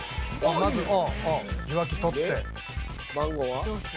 まず受話器取って。